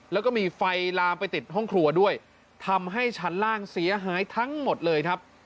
แล้วก็มีไฟลามไปติดห้องครัวด้วยทำให้ชั้นล่างเสียหายทั้งหมดเลยครับ